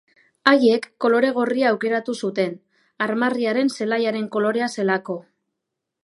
Haiek kolore gorria aukeratu zuten, armarriaren zelaiaren kolorea zelako.